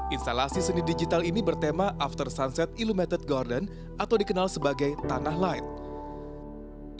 instalasi seni digital ini bertema after sunset illumited garden atau dikenal sebagai tanah light